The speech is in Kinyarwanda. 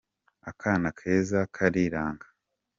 Akana keza kariranga.